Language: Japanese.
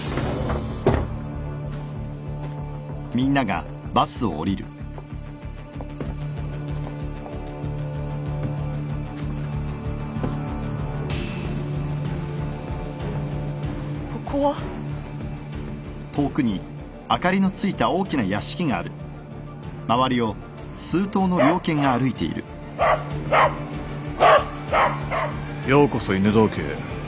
ようこそ犬堂家へ。